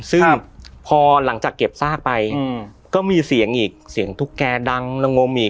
ซึ่งพอหลังจากเก็บซากไปก็มีเสียงอีกเสียงตุ๊กแกดังละงมอีก